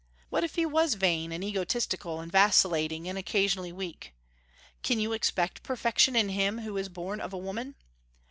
What if he was vain and egotistical and vacillating, and occasionally weak? Can you expect perfection in him who "is born of a woman"?